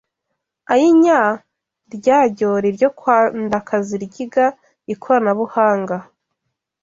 Ayinya! Rya jyori ryo kwa Ndakazaryiga ikoranabuhanga!